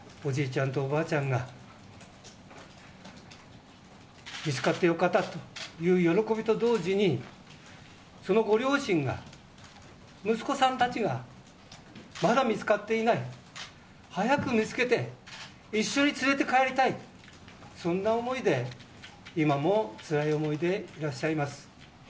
ちゃんとおばあちゃんが見つかってよかったという喜びと同時にそのご両親が、息子さんたちがまだ見つかっていない、早く見つけて一緒に連れて帰りたいそんな思いで、今もつらい思いでいらっしゃいます。